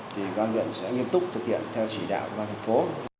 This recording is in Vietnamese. thì ủy ban nhân dân huyện sẽ nghiêm túc thực hiện theo chỉ đạo ủy ban thành phố